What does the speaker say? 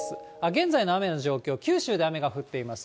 現在の雨の状況、九州で雨が降っています。